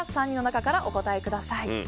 ３人の中からお答えください。